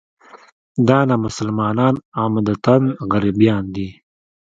دا نامسلمانان عمدتاً غربیان دي.